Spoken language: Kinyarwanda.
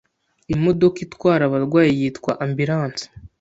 Imodoka itwara abarwayi yitwa ambulance